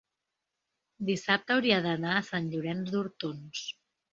dissabte hauria d'anar a Sant Llorenç d'Hortons.